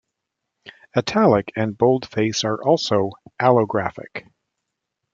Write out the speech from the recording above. Italic and bold face are also allographic.